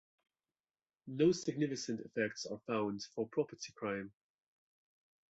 No significant effects are found for property crime.